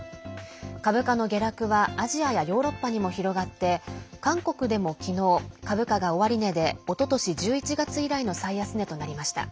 株価の下落はアジアやヨーロッパにも広がって韓国でもきのう、株価が終値でおととし１１月以来の最安値となりました。